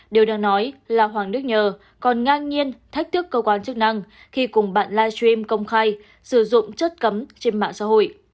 điều đang nói là hoàng đức nhờ còn ngang nhiên thách thức cơ quan chức năng khi cùng bạn livestream công khai sử dụng chất cấm trên mạng xã hội